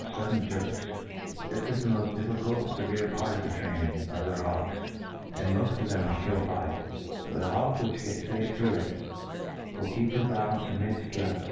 den jerks, This is the moft difficult and fever^ part of the training of their hawks, and moft of them are killed by it ; but a hawk which gets fafc through it, will keep her balance amidft thc^ moft {NT R O D U ejl ON, »!